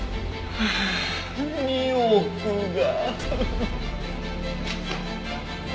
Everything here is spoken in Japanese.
ああ２億が。